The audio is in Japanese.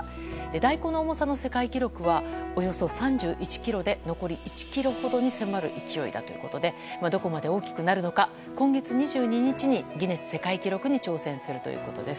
大根の重さの世界記録はおよそ３１ｋｇで残り１ｋｇほどに迫る勢いだということでどこまで大きくなるのか今月２２日に、ギネス世界記録に挑戦するということです。